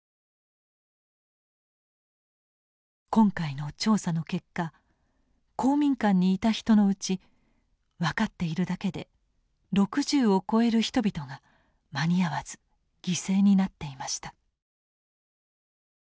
今回の調査の結果公民館にいた人のうち分かっているだけで６０を超える人々が間に合わず犠牲になっていました。